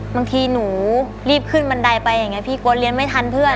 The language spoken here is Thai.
มันทีหนูรีบขึ้นบันไดไปแบบง่ายก้อนเรียนไม่ทันเพื่อน